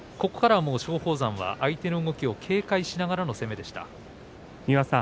ここからは松鳳山が相手の動きを警戒しながらの攻めでした。